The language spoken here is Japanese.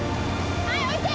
はい置いて。